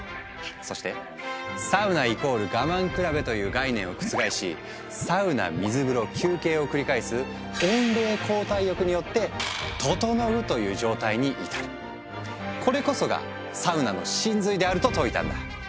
そして「サウナ＝我慢比べ」という概念を覆し「サウナ水風呂休憩」を繰り返す「温冷交代浴」によって「ととのう」という状態に至るこれこそがサウナの神髄であると説いたんだ。